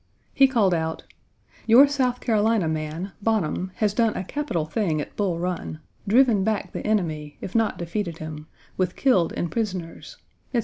He called out: "Your South Carolina man, Bonham, has done a capital thing at Bull Run driven back the enemy, if not defeated him; with killed and prisoners," etc.